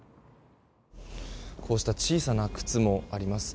こうした小さな靴もあります。